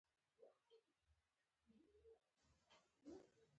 څه خبره ده؟ خو دا مخلوق په خبره نه پوهېږي.